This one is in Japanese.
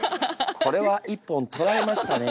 これは一本取られましたね。